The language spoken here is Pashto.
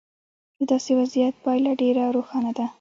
د داسې وضعیت پایله ډېره روښانه ده.